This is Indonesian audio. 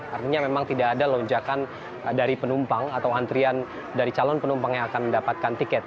artinya memang tidak ada lonjakan dari penumpang atau antrian dari calon penumpang yang akan mendapatkan tiket